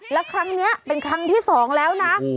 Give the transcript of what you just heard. แล้วครั้งนี้เป็นครั้งที่๒แล้วนะ